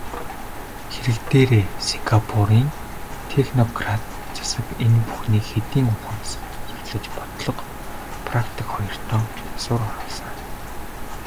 Хэрэг дээрээ Сингапурын технократ засаг энэ бүхнийг хэдийн ухамсарлаж бодлого, практик хоёртоо засвар оруулсан.